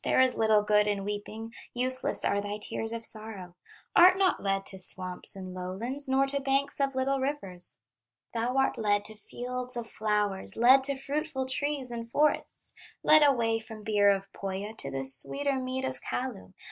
There is little good in weeping, Useless are thy tears of sorrow; Art not led to swamps and lowlands, Nor to banks of little rivers; Thou art led to fields of flowers, Led to fruitful trees and forests, Led away from beer of Pohya To the sweeter mead of Kalew.